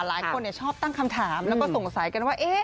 หลายคนชอบตั้งคำถามแล้วก็สงสัยกันว่า